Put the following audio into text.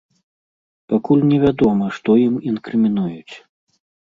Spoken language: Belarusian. Пакуль невядома, што ім інкрымінуюць.